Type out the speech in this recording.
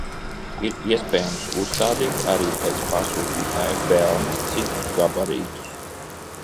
Ir iespējams uzstādīt arī, pēc pasūtītāja vēlmes, citus gabarītus.